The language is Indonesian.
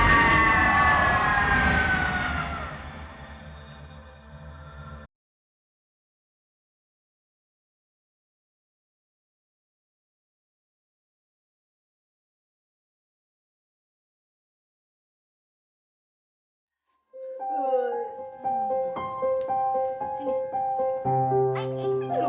naik naik sini